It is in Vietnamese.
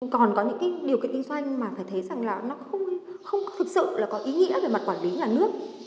còn có những điều kiện kinh doanh mà phải thấy rằng là nó không thực sự là có ý nghĩa về mặt quản lý nhà nước